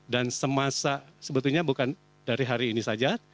semasa sebetulnya bukan dari hari ini saja